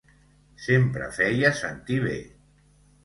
Sempre feia sentir bé.